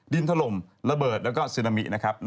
ดินถล่มระเบิดแล้วก็สืบภูมินะครับ